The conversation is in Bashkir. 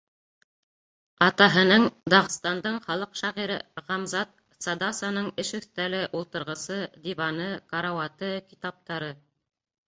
Атаһының, Дағстандың халыҡ шағиры Ғамзат Цадасаның эш өҫтәле, ултырғысы, диваны, карауаты, китаптары...